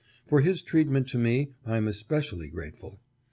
For his treatment to me I am especially grateful.